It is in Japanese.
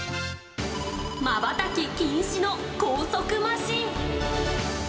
瞬き禁止の高速マシン。